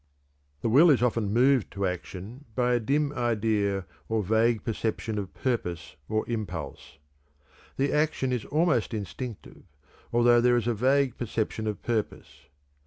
_ The will is often moved to action by a dim idea or faint perception of purpose or impulse. The action is almost instinctive, although there is a vague perception of purpose.